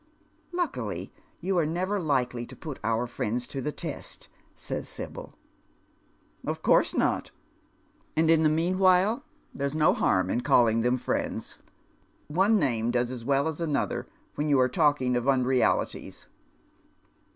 " Luckily you are never likely to put our friends to the test," says Sibyl. " Of course not. And in the meanwhile there's no harm in tailing them friends. One name does as well as another when you are talking of unrealities."